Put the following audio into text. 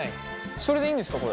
それでいいんですかこれ。